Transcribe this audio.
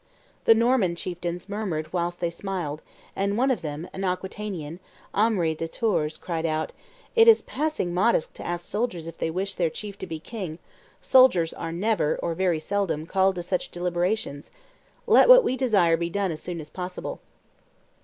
The Norman chieftains murmured whilst they smiled; and one of them, an Aquitanian, Aimery de Thouars, cried out, "It is passing modest to ask soldiers if they wish their chief to be king: soldiers are never, or very seldom, called to such deliberations: let what we desire be done as soon as possible."